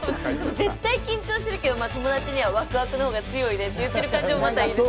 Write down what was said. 絶対緊張してるけど、友達にはワクワクの方が強いねって言ってる感じが。